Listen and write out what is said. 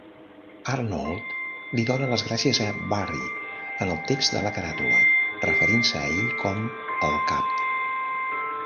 Arnold li dóna les gràcies a Barry en el text de la caràtula, referint-se a ell com "el Cap".